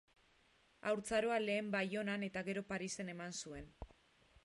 Haurtzaroa lehen Baionan eta gero Parisen eman zuen.